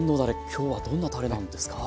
今日はどんなたれなんですか？